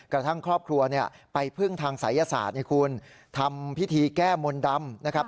กระทั่งครอบครัวเนี่ยไปพึ่งทางศัยศาสตร์ให้คุณทำพิธีแก้มนต์ดำนะครับ